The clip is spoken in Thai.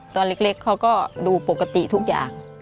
ตอนเล็กเขาก็ดูปกติทุกอย่าง